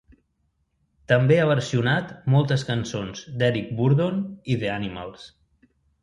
També ha versionat moltes cançons d'Eric Burdon i The Animals.